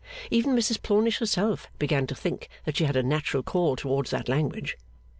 Even Mrs Plornish herself began to think that she had a natural call towards that language.